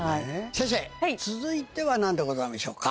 先生続いては何でございましょうか。